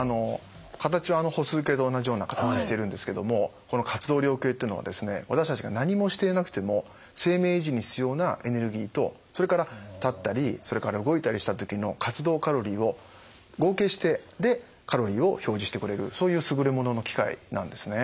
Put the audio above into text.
形は歩数計と同じような形してるんですけどもこの活動量計というのは私たちが何もしていなくても生命維持に必要なエネルギーとそれから立ったりそれから動いたりした時の活動カロリーを合計してでカロリーを表示してくれるそういう優れものの機械なんですね。